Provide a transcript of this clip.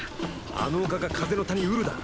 あの丘が風の谷ウルだ。